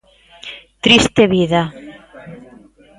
¡Triste vida!